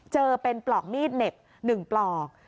เจอเป็นปลอกมีดเหน็บ๑ปลอก